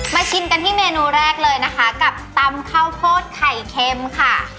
ชิมกันที่เมนูแรกเลยนะคะกับตำข้าวโพดไข่เค็มค่ะ